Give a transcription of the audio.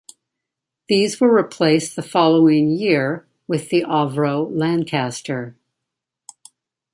These were replaced the following year with the Avro Lancaster.